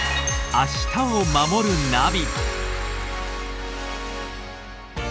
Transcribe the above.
「明日をまもるナビ」